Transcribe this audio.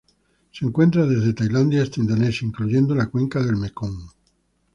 Se encuentra desde Tailandia hasta Indonesia, incluyendo la cuenca del Mekong.